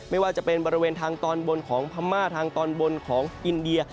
ไม่ว่าจะเป็นบริเวณทางตอนบนของพม่าทางตอนบนของอินเดีย